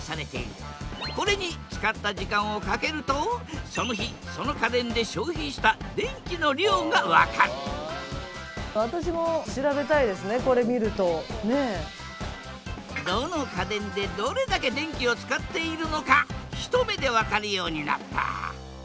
これに使った時間を掛けるとその日その家電で消費した電気の量が分かるどの家電でどれだけ電気を使っているのか一目で分かるようになった。